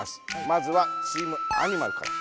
まずはチームアニマルから。